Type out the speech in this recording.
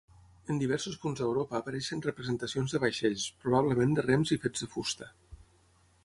En diversos punts d'Europa apareixen representacions de vaixells, probablement de rems i fets de fusta.